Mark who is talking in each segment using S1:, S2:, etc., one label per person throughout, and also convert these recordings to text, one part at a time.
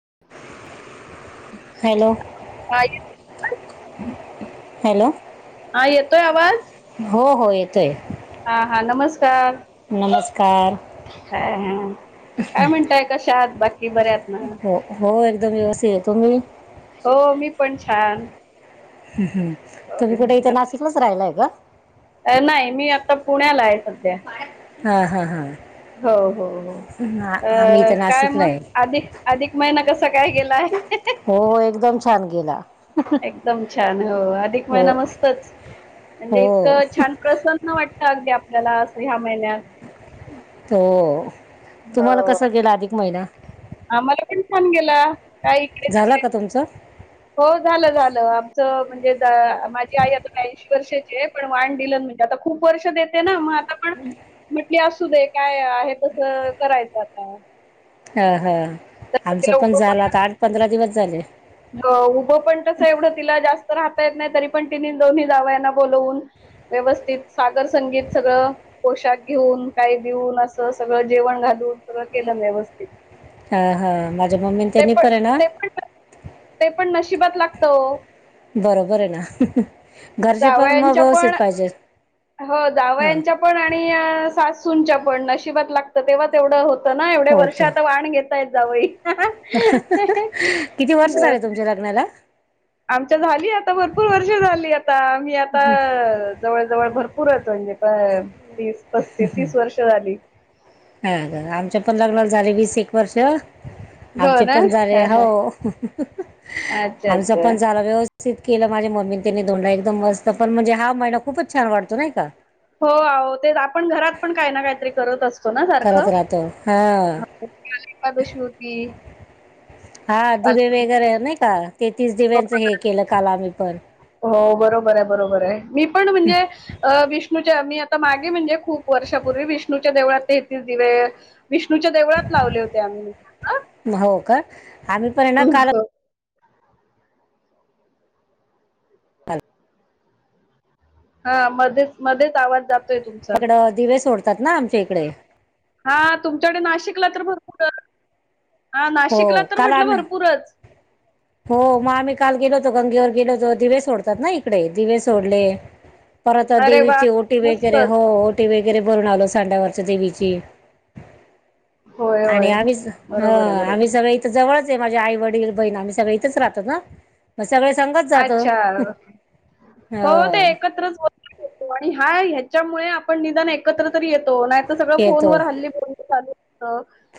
S1: [unintelligible] [inaudible] Hello
S2: हा येतो
S1: hello
S2: हा येतोय आवाज
S1: हो हो येतो आहे
S2: हा हा नमस्कार सार
S1: कार
S2: ह ह काय म्हणताय कशा आात बाकी बऱ्यात ना
S1: हो हो एकदम वस तुम्ही
S2: हो मी
S1: हम् हम्
S2: आ नाही मी आता पुण्याला आहे सध्या
S1: हा हा हा
S2: हो हो हो अ
S1: आम्ही इथं
S2: काय
S1: नाशिकला
S2: मग
S1: आहे
S2: अधिक अधिक महिना कस काय गेलाय
S1: हो एकदम छान गेला
S2: एकदम छान हो अधिक
S1: हो
S2: महिना मस्तच
S1: हो
S2: म्हणजे इतकं छान प्रसन्न वाटत अगदी आपल्याला अस ह्या महिन्यात
S1: हो तुम्हाला
S2: हो
S1: कसं गेला अधिक महिना
S2: आम्हाला पण छान गेला काय
S1: झाला
S2: इकडे
S1: का तुमचं
S2: हो झालं झालं आमचं म्हणजे माझी आई आता बऐंशी वर्षाची पण वान डलन म्हणजे आता खूप वर्ष देते ना मग पण
S1: हम्म
S2: म्हटली असू दे काय आहे करायचं आता
S1: हा हा
S2: तसं
S1: आमचं
S2: तिला
S1: पण
S2: उभं
S1: झालं आता आठ पंधरा दिवस झाले
S2: अ, उभं पण तसं एवढं तिला जास्त राहता येत नाही तरी पण तिन्ही दोन्ही जाावयाना बोलवून व्यवस्थित सागर संगीत सगळं पोशाख घेऊन काही देऊन असं सगळं जेवण घालून सगळं केलं व्यवस्थित
S1: हा हा माझ्या मम्मीने
S2: ते
S1: त्यांनी प
S2: पण
S1: आहे ना
S2: ते पण ते पण नशिबात लागत
S1: बरोबर आहे ना घरचे पण मग
S2: दवयाच्या
S1: व्यवस्थित
S2: पण
S1: पाहिजे
S2: हो
S1: हां
S2: दवयाच्या पण आणि सास ंच्या पण नशिब लातं तेव्हा तेवढं होत हो ना एवढे वर्ष आता वाण घेतताय जावई
S1: किती वर्ष
S2: अ,
S1: झाचाले तुमच्या लग्नाला
S2: आमच्या झाली आता भरपूर वर्ष झाली आता आम्ही आता जवळ जवळ भरपूरतो म्हणजे प तीस पस्तीस तीस वर्ष झाली
S1: ह आमच्या पण लग्नाला झाले वीस एक वर्ष
S2: हो
S1: आमचे
S2: ना
S1: पण झाले
S2: हा,
S1: हो
S2: हा. अच्छा
S1: आमचा
S2: अच्छा
S1: पण झाला व्यवस्थित केलं माझ्या मम्मीनी धोंडा एकदम मस्त पण म्हणजे हा महिना खूपच छान वाटतो नाही का
S2: हो ते आपण घरात पण काय ना काहीतरी करत असत ना सारख
S1: करत राहतो हा
S2: एकादशी होती
S1: हा दिवे
S2: पालखी-
S1: वगैरे ना नाही का ते तीस
S2: हो
S1: दिव्यांचं हे केलं काल आम्ही पण
S2: हो बरोबर आहे बरोबर आहे मी पण म्हणजे विष्णू मी आता मागे म्हणजे खूप वर्षापूर्वी विष्णूच्या देवळात तेहतीस दिवे विष्णूच्या देवळात लावले होते आम्ही म्हणजे
S1: हो का आम्ही पण आहे ना काल
S2: ह हा मध्येच मध्येच आवाज जातो
S1: तिकडं दिवे सोडत असतात ना आमच्या इकडे
S2: हा तुमच्याकडे नाशिकला तर भर हा
S1: हो
S2: नाशिकला तर
S1: काल
S2: म्हटलं
S1: आम्ही
S2: भरपूरच
S1: हो मग आम्ही काल गेलो होतो गंगेवर गेलो होतो दिवे सोडतात ना इकडे दिवे सोडले परत
S2: अरे वा
S1: देवीची ओटी वगैरे
S2: मस्तच
S1: हो ओटी वगैरे वगैरे भरून आलो सांड्यावरच्या देवीची
S2: होय
S1: आणि
S2: होय
S1: आम्ही ह
S2: बरोबर आहे
S1: आम्ही
S2: बरोबर
S1: सगळ इथ जवळच ते माझे आई वडील बहीण सगळी इथच राहतात ना सगळे संगच जातो
S2: अच्छा,
S1: ह
S2: हो हो ते एकत्रच आणि हा ह्याच्यामुळे आपण निदान एकत्र येतो नाही तर सगळं
S1: येतो
S2: फोनवर हल्ली बोल चालू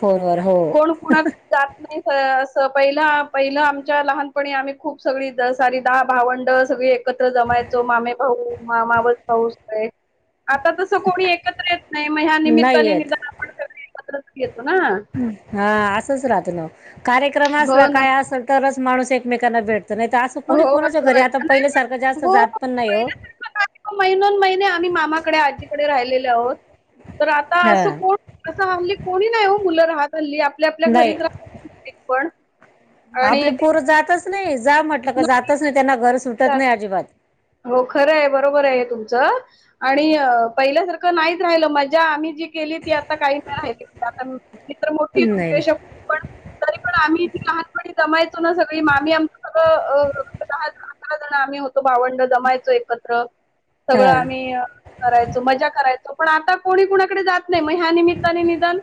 S1: फोनवर हो
S2: कोण कुणाकडे जात नाही पहिला पहिलं आमच्या लहानपणी आम्ही खूप सगळी सारी दहा भावंड सगळी एकत्र जमायचो मामे भाऊ मावस भाऊ सगळे आता कोणी एकत्र येत नाही मग ह
S1: नाही
S2: निमित्ताने नि
S1: येत
S2: आपण सग एकत्र ह
S1: हा असंच राहत ना कार्यक्रम
S2: हो
S1: असला
S2: ना
S1: काय असल तरच माणस एकमेकांना भेट
S2: होय होय नाही.
S1: जास्त
S2: हो
S1: जात पण नाही
S2: हो महिनों न महिने आम्ही मामाकडे आजीकडे राहिलेले आहोत. तर आता
S1: हा
S2: असं कोण असं हल्ली कोणी नाही हो. मुलं राहत. हल्ली आपल्या आपल्या
S1: नाही
S2: घरीच राहतात ते पण, आणि
S1: आपली पोरं जातच नाही. जा म्हटलं, का जातच नाही त्यांना घर सुट [unintelligible]
S2: ते-
S1: नाही अजिबात.
S2: हो खरं आहे बरोबर आहे तुमचं, आणि पहिल्यासारखं नाहीच राहिलं माझ्या आम्ही जी केली ती आता काही नाही राहिली आता मी. मित्र मोठी
S1: नाही नाही.
S2: उद्याजक, पण तरी पण आम्ही लहानपणी जमायचो. सून सगळी मामी आमची सगळं दहा जण आम्ही भावंड होतो. जमायचो एकत्र सगळं,
S1: हा
S2: आम्ही करायचो मजा करायचो. पण आता कोणी कोणीचं कडे जात नाही, मग या निमित्ताने निधान.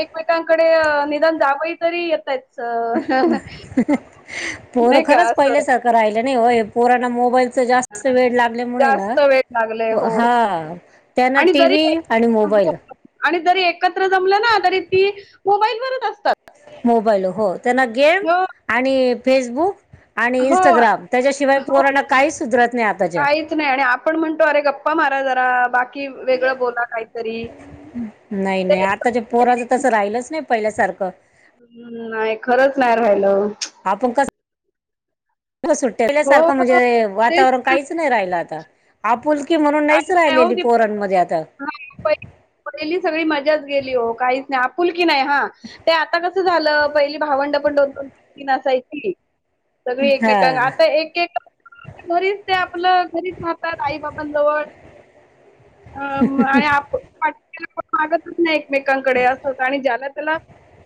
S2: एकमेकांकडे निदान जावय तरी येतायत. स.
S1: पोरं खरंच पहिले सारखं राहिलं नाही हो, पोरा मोबाईलचं जास्त
S2: हां,
S1: वेड लागल्यामुळे ना
S2: जास्त वेळ लागलाय. हो.
S1: हा त्यांना
S2: आणि जरी
S1: टीव्ही आणि
S2: हो
S1: मोबाईल.
S2: आणि जरी एकत्र जमलं ना तरी ती, मोबाईल वरच असतात.
S1: मोबाईल होय. त्यांना गेम
S2: हो
S1: आणि फेसबुक. आणि
S2: हो
S1: इन्स्टाग्राम, त्याच्याशिवाय
S2: हो
S1: पोरांना काहीच सुधरत नाही आताच्या.
S2: काहीच नाही आणि आपण म्हणतो अरे गप्पा [unintelligible] बाकी वेगळं बोला काहीतरी
S1: नाही
S2: ते
S1: नाही आताच्या पोराचं, तस राहिलच नाही पहिल्या सारखं. क.
S2: हम्म नाही. खरंच नाही राहिलं,
S1: आपुण कस सुट्ट्या,
S2: हो
S1: पहिल्यासारखं
S2: हो
S1: म्हणजे
S2: तेच
S1: वातावरण
S2: ना
S1: काहीच नाही राहिलं आता. आपुलकी. की म्हणून नाहीच
S2: काहीच नाही हो
S1: राहिलेली
S2: ती
S1: पोरणमध्ये आता.
S2: हां पहिली सगळी मजाच गेली हो, काहीच नाही आपुलकी नाही. हा ते आता कसं झालं पहिली भावंड पण दोन दोन तीन असायची. सगळी एकमेकांना
S1: हा
S2: आता, एक एक घरीच ते आपलं घरीच राहतात आई बाबां अ आणि आप मागतच नाही एकमेकांकडे असं आणि ज्याला त्याला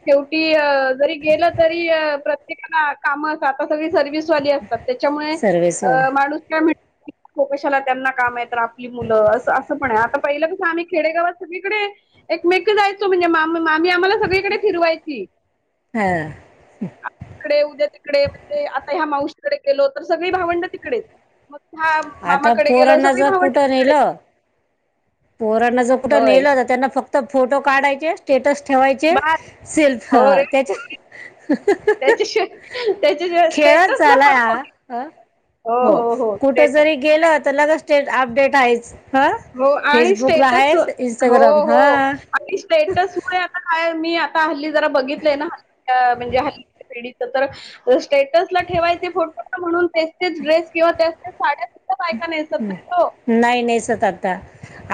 S2: शेवटी अ जरी गेलं तरी काम आता सगळी सर्विस असत त्याच्यामुळे
S1: सर्वेस
S2: माणूस काय कशाला त्यांना काम य आपली मुलं अस असं पण आहे आता पहिलं कस आम्ही खेडेगावात सगळीकडे एकमेक जायचो म्हणजे मामी आम्हाला सगळीकडे फिरवायची
S1: हा
S2: ईतडे उद्या तिकडे म्हणजे आता ह्या मावशीकडे गेलो तर सगळी भावंड तिकडेच मग ह्या
S1: आता
S2: मामाकडे गेलो
S1: पोराणा
S2: सगळी
S1: ज
S2: भावंड
S1: कुठ नल
S2: तिकडेच.
S1: पोरांना जो कुठे
S2: होय.
S1: नेला होता त्यांना फक्त तर फोटो काढायचे स्टेटस ठेवायचे
S2: बास
S1: सेल्फ
S2: हो रे
S1: त्याच्या
S2: त्याच्याशिवाय त्याच्याशिवाय
S1: खेळ
S2: स्टेटसला फार
S1: झाला
S2: मोठी
S1: हो कुठ जरी गेलं तर लगे स्टेट अपडेट आहेच हा
S2: हो आणि
S1: फेसबुकला
S2: स्टेटस
S1: आहेच
S2: हो
S1: इंस्टाग्राम
S2: हो आणि स्टेटस मुळे आता काय मी आ आता हल्ली जरा बघितलंय ना हल् म्हणजे हल्ली पिढीच तर स्टेटसला ठेवायचे फोटो म्हणून तेच तेच ड्रेस किंवा त्या साड्या बायका नेसत नाहीत हो.
S1: नाही नेसत आता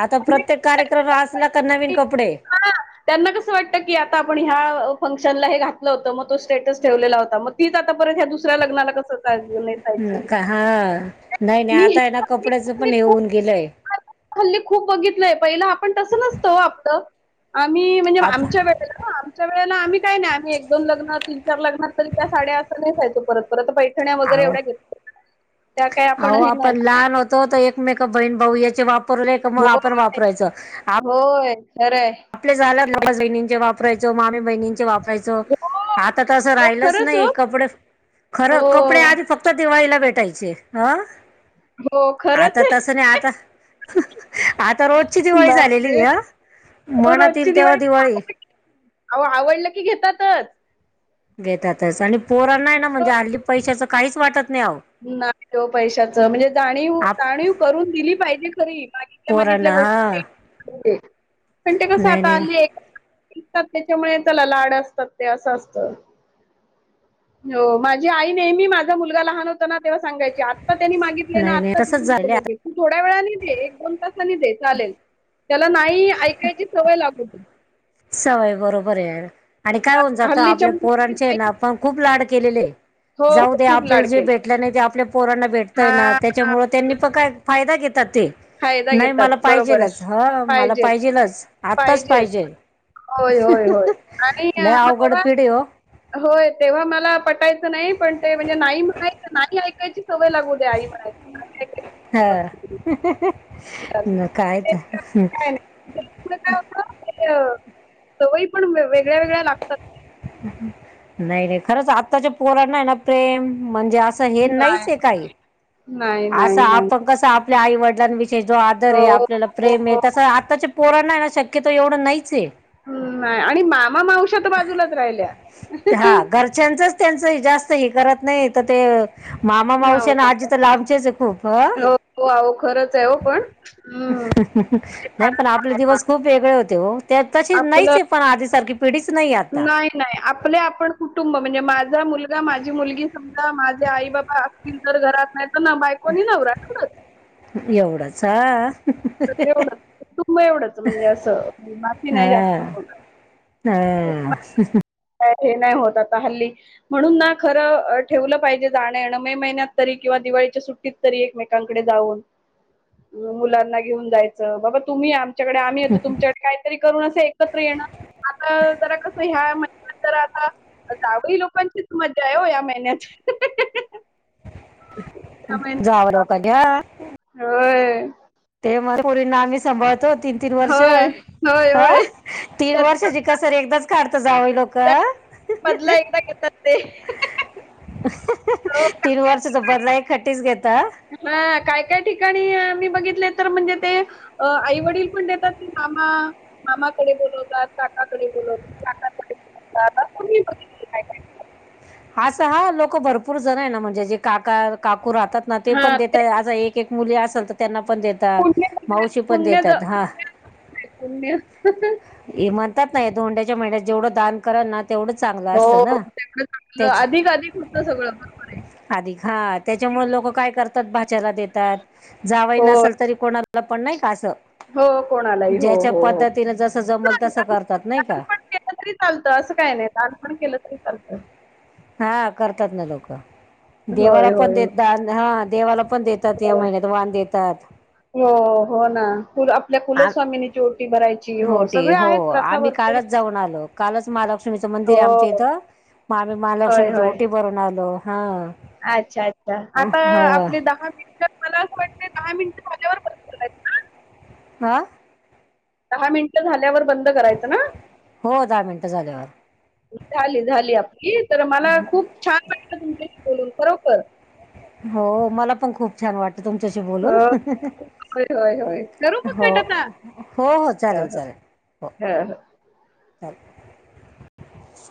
S1: आता
S2: म्हणजे
S1: प्रत्येक कार्यक्रम असला का नवीन कपडे
S2: हां, त्यांना कसं वाटतं की आता आपण ह्या फंक्शनला हे घातलं होतंग तो स्टेटस ठेवलेला होता मग तीच आता परत या दुसऱ्या लग्नाला कसं नेसायची?
S1: का हा नाही नाही
S2: मी हे
S1: आता आहे ना कपड्याच पण
S2: हल्ली खूप
S1: येऊन गेलंय
S2: हल्ली खूप बघितलंय पहिलं आपण तसं नसतं आपत आम्ही म्हणजे
S1: आप
S2: आमच्या वेळेला आमच्या व ेळे आम्ही काही नाही आम्ही एक दोन लग्न ती चार लग्ना तर त्या साद्या अस नाही नेसायचो परत परत पैठण्या वगैरे एवढ्या घेत
S1: आओ आपण लहान होतो तर एकमेक बहीण भाऊ याच्या वा पर मग आपण
S2: होय,
S1: वापरायचं
S2: होय. खरंय.
S1: आपले झाल्या ल बहिणींचे वापरायचं मामी बहिणींचे वापर
S2: हो.
S1: आता तर असं
S2: हो
S1: राहिलंच
S2: खरंच हो.
S1: नाही कपडे खर
S2: हो.
S1: कपडे आधी फक्त दिवाळीला भेट त्याईचे हा
S2: हो खरंच
S1: आता
S2: आहे.
S1: तसं नाही आता आता रोजची दिवाळी झालेली
S2: बापरे!
S1: अ मनातयेईल तेव्हा दिवाळी
S2: आव आवडलं की घेतातच
S1: घेतातच आणि पोरांना ये म्हणजे हल्ली पैशाच काहीच वाटत नाही अहो
S2: नाही ग पैशाच म्हणजे जाणीव
S1: आप
S2: जाणीव करून दिली पाहिजे खरी मागितल्या मागल्या
S1: पोरांना
S2: गोष्टी
S1: हा
S2: पण ते कस
S1: नाही
S2: आता
S1: नाही
S2: आली एक त त्याच्यामुळे त्याला लाड असतात ते असं असत हो माझी आई नेहमी माझा मुलगा लहान च त्याना तेव्हा सांगायची आत्ता त्यांनी मागितले ना
S1: नाही नाही
S2: आता
S1: तसच
S2: देउ नको
S1: झाले
S2: लगेच
S1: आता
S2: तू थोड्या वेळाने दे एक दोन तासनी दे चालेल त्याला नाही ऐ कायची सवय लागू दे.
S1: सवय बरोबर आये आणि काय होऊन जातं
S2: हल्लीच्या
S1: आपल्या
S2: मुली
S1: पोरांचे ना आपण खूप लाड केलेले
S2: हो
S1: जाऊ
S2: हो
S1: दे
S2: खूप
S1: आपल्याला
S2: लाड
S1: जे
S2: केले.
S1: भेटलं नाही ते आपल्या पोरांना भेटतय ना
S2: हा
S1: त्याच्यामु त्यांनी प काय फायदा घेत ते
S2: फायदा
S1: नाही मला
S2: घेतात बरोबर आहे
S1: पाहिजेलच ह मला
S2: पाहिजेत
S1: पाहिजेलच आताच
S2: पाहिजेत
S1: पाहिजे ल
S2: होय होय होय आणि मग
S1: अवघड
S2: तेव्हा
S1: पिढी हो
S2: होय तेव्हा मला पटायच पण म्हणजे नाही म्हनायेच नाही आई त्यची सवय लागू दे्या आई म्हणायेची का
S1: हा.
S2: [inaudible] सवयी पण वेगळ्या वेगळ्या लागतात.
S1: नाही रे खरंच आत्ताच्या पोरना आहे ना प्रेम म्हणजे. असं हे नाहीच
S2: नाही
S1: आहे काही.
S2: नाही
S1: आस
S2: नाही नाही
S1: आपह कस आप. आई वडिलांनी. चे आदर
S2: हो
S1: आहे आपल्याला
S2: हो
S1: प्रेम आहे
S2: हो
S1: त आ. पोरांना येना शक्यतो एवढं नाहीचये.
S2: हम् नाये आणि मामा मावशात बाजूलाच राहिल्या.
S1: हा घरच्यांचंच त्यांचं ये जास्त हे करत नाही तर ते. मामा मावशी आन
S2: मामा
S1: आजी चा लाभ. खूप ह
S2: हो हो अहो खरंच आहे हो पण हम्म ते
S1: नाही
S2: फारच
S1: पण
S2: छान
S1: आपले
S2: आहे.
S1: दिवस
S2: पण
S1: खूप वेगळे होते. हो तशी नाहीच
S2: आपलं
S1: आहे पण आधी सारखी.
S2: नाही नाही आपले आपण कुटुंब म्हणजे माझा मु. माझी मुलगी. सा माझे आई बाबा असतील. घरात नाही. ना बायकोणी नवरा एच.
S1: एवढंच हा
S2: एवढच तुं एवढंच म्हणजे असं माती नाही
S1: हा
S2: जास्त.
S1: हा
S2: हे नाही होत आता हल्ली म्हणून ना खर ठेवलं पाहिजे जाण मे महिन्यात तरी किंवा दिवाळीच्या सुट्टीत तरी एकमेकांकडे जाऊन मुलांना. घेऊन जायचं बाबा तुम्ही. च्याकडे आम्ही येतो तुमच्याकडे काहीतरी करून असं एकत्र येणं आता जरा कसं ह्या महि्यात. तर आता जावळी लोकांचीच मज्जा आहे हो या महिन्यात. या
S1: जाव
S2: महिन्यात
S1: लोका घ्या.
S2: होय.
S1: ते म परीना आम्ही सांभाळतो. तीन तीन वर्ष
S2: होय होय होय
S1: तीन
S2: त्याचा
S1: वर्षांची कसर एकच. करत.
S2: त्याचा बदला एकदा घेतात ते हो काय काय ठिकाणी
S1: [unintelligible] खटीच घेता.
S2: हा काय काय ठिकाणी मी बघितले तर म्हणजे ते. आईवडील पण देतात. मामा मामाकडे बोलवतात काकाकडे बोलवतात काकाकडे बवतात अस मी ब
S1: असं हा लोक भरपूर जण आहे ना म्हणजे जे काका का राहतात ना ते पण
S2: हा ते
S1: देतात आ एक एक मुली असेल तर त्यांना पण देत
S2: पुण्य
S1: मावशी पण
S2: पुण्य ज
S1: देतात हा
S2: पुण्य पुण्य.
S1: नाही ोंड्याच्या मं्या जेवढं दान कररा ना तेवढं चांगलं
S2: हो
S1: असतं ना
S2: त्यां
S1: अधिक हा त्याच्यामुळे लोक काय करतात भाचला देतात जावय
S2: हो.
S1: नसेल तरी कोणा चला पण कासं
S2: हो कोणालाही हो हो हो
S1: जसं जमल तसं करतात नाही का
S2: लालपण केलं तरी चालतं असं काय नाही लालपण केलं तरी हछ
S1: हा करतात ना लोक देवाला
S2: होय,
S1: पण
S2: होय,
S1: देत द हा देवाला पण देतात या
S2: होय.
S1: महिन्यात वान देतात
S2: हो, हो ना. कुल आपल्या
S1: आ
S2: कुलस्वामीिनीची ओटी भरायची हो
S1: होटी
S2: सगळे आहेत प्रथा
S1: आम्ही
S2: भरपूर
S1: कालच जाऊन आलो कालच मला लक्ष्मीचं मंदिर
S2: हो.
S1: आहे आमच्या इथं
S2: होय,
S1: महालक्ष्मीच्या
S2: होय.
S1: ओटी भरून आलो हां.
S2: अच्छा अच्छा आता आपले दहा मिनिट मला असं वाटते दहा मिनिट झाल्यावर- बंद करायचं ना?
S1: आ.
S2: दहा मिनिट झालं- वर बंद करायच ना
S1: हो दहा मिनटं झाल्यावर
S2: झाली झाली- ई. तर मला खूप छान वाटत तुमचे- बोलून खरो खर.
S1: हो मला पण खूप छान वाटल- तुमच्याशी बोलून
S2: होय होय होय. करू मग
S1: हो
S2: कट आता?
S1: हो हो
S2: हं
S1: चालेल
S2: हं.
S1: चालेल
S2: हं हं.
S1: हो. [unintelligible]